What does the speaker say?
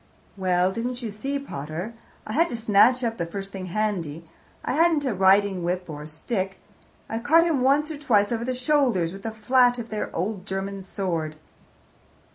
"Well, didn't you see, pater, I had to snatch up the first thing handy I hadn't a riding whip or stick. I caught him once or twice over the shoulders with the flat of their old German sword."